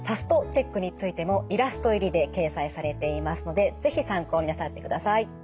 ＦＡＳＴチェックについてもイラスト入りで掲載されていますので是非参考になさってください。